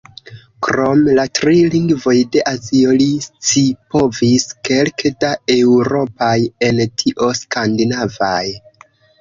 Krom la tri lingvoj de Azio li scipovis kelke da eŭropaj, en tio skandinavaj.